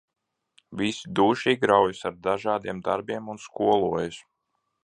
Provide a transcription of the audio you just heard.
Visi dūšīgi raujas ar dažādiem darbiem un skolojas.